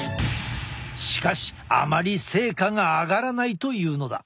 しかしあまり成果があがらないというのだ。